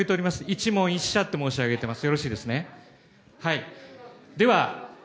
１問１社と申し上げております。